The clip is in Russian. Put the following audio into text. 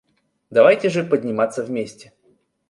Давайте же подниматься вместе.